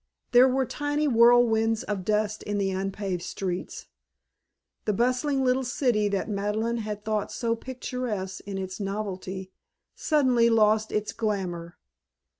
There were tiny whirlwinds of dust in the unpaved streets. The bustling little city that Madeleine had thought so picturesque in its novelty suddenly lost its glamour.